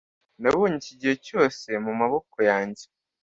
Nabonye iki gihe cyose mumaboko yanjye